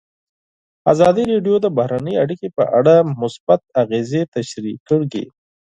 ازادي راډیو د بهرنۍ اړیکې په اړه مثبت اغېزې تشریح کړي.